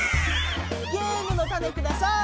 ゲームのタネください！